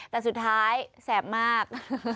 แต่สุดท้ายแสบมาก